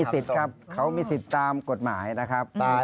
สิทธิ์ครับเขามีสิทธิ์ตามกฎหมายนะครับ